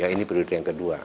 ini periode yang kedua